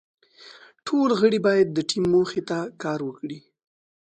ټول غړي باید د ټیم موخې ته کار وکړي.